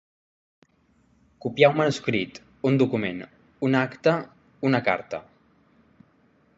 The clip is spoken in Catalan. Copiar un manuscrit, un document, una acta, una carta.